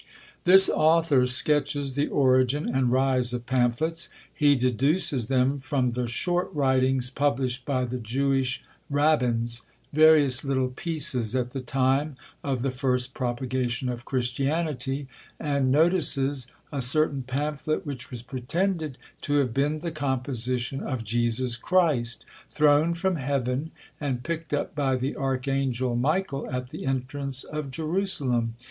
This author sketches the origin and rise of pamphlets. He deduces them from the short writings published by the Jewish Rabbins; various little pieces at the time of the first propagation of Christianity; and notices a certain pamphlet which was pretended to have been the composition of Jesus Christ, thrown from heaven, and picked up by the archangel Michael at the entrance of Jerusalem.